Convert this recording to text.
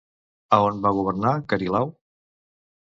A on va governar Carilau?